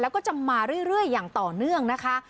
แล้วก็จะมาเรื่อยอย่างต่อเนื่องนะคะ